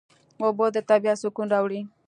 اوبه د طبیعت سکون راولي.